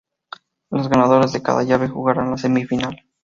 Los ganadores de cada llave jugarán la semifinal.